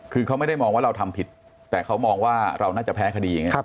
คือเขาไม่ได้มองว่าเราทำผิดแต่เขามองว่าเราน่าจะแพ้คดีอย่างนี้